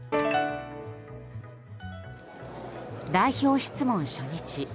代表質問、初日。